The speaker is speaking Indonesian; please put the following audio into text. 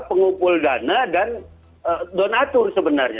pengumpul dana dan donatur sebenarnya